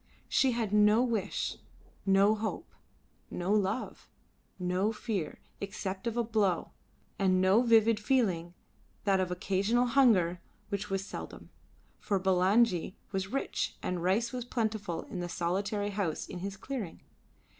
She had no wish, no hope, no love, no fear except of a blow, and no vivid feeling but that of occasional hunger, which was seldom, for Bulangi was rich and rice was plentiful in the solitary house in his clearing.